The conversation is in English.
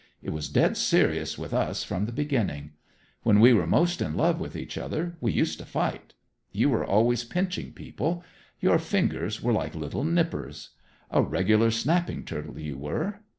It was dead serious with us from the beginning. When we were most in love with each other, we used to fight. You were always pinching people; your fingers were like little nippers. A regular snapping turtle, you were.